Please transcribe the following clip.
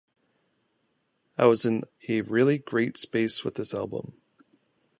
I was in a really great space with this album.